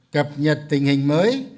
cập nhật tình hình mới